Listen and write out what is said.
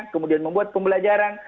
kemudian membuat pembelajaran